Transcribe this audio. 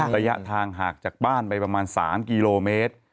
ระยะทางห่างจากบ้านไปประมาณ๓กิโลเมตร